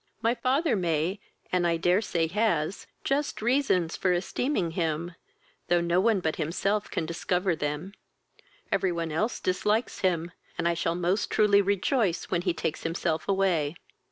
My father may, and I dare say has, just reasons for esteeming him, though no one but himself can discover them. Every one else dislikes him, and I shall most truly rejoice when he takes himself away."